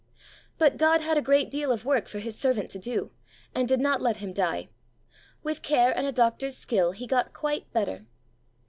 But God had a great deal of work for His servant to do, and did not let him die. With care and a doctor's skill he got quite better.